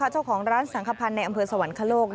เจ้าของร้านสังขพันธ์ในอำเภอสวรรคโลก